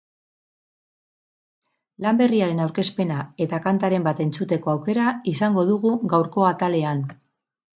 Lan berriaren aurkezpena eta kantaren bat entzuteko aukera izango dugu gaurko atalean.